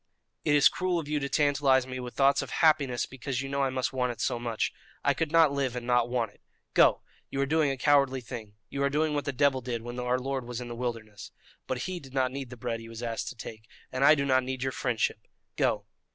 "It is cruel of you to tantalize me with thoughts of happiness because you know I must want it so much. I could not live and not want it. Go! you are doing a cowardly thing. You are doing what the devil did when our Lord was in the wilderness. But He did not need the bread He was asked to take, and I do not need your friendship. Go!"